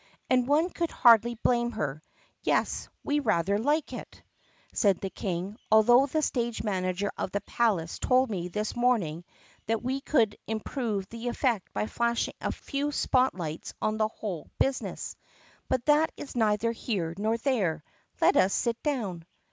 And one could hardly blame her. "Yes, we rather like it," said the King, "although the stage manager of the palace told me this morning that we could im prove the effect by flashing a few spot lights on the whole busi ness. But that is neither here nor there. Let us sit down."